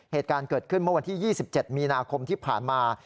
เหตุการณ์เกิดขึ้นเมื่อวันที่๒๗มีนาคมที่ผ่านมา